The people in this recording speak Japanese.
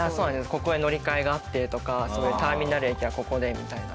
ここで乗り換えがあってとかターミナル駅はここでみたいな。